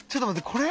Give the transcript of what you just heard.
これ？